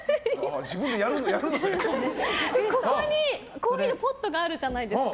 ここにコーヒーのポットがあるじゃないですか。